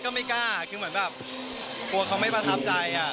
คุณมีความหวังว่าเขาจะไม่ประธับใจ